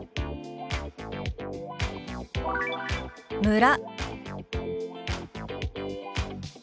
「村」。